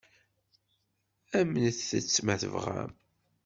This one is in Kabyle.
Amnet-tt, ma tebɣam.